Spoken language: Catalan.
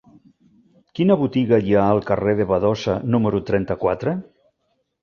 Quina botiga hi ha al carrer de Badosa número trenta-quatre?